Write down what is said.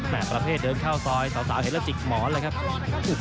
แหม่ประเภทเดินเข้าซอยสาวเคลียราชิกหมอนเลยนะครับ